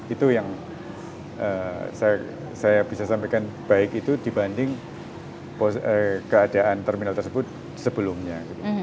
itu yang saya bisa sampaikan baik itu dibanding keadaan terminal tersebut sebelumnya